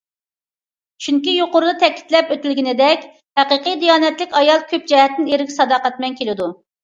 چۈنكى، يۇقىرىدا تەكىتلەپ ئۆتۈلگىنىدەك، ھەقىقىي دىيانەتلىك ئايال كۆپ جەھەتتىن ئېرىگە ساداقەتمەن كېلىدۇ.